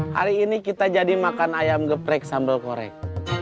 hari ini kita jadi makan ayam geprek sambal korek